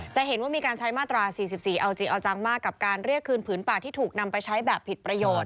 จะเห็นว่ามีการใช้มาตรา๔๔เอาจริงเอาจังมากกับการเรียกคืนผืนป่าที่ถูกนำไปใช้แบบผิดประโยชน์